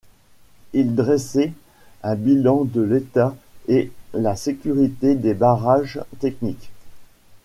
Il dresser un bilan de l'état et la sécurité des barrages technique.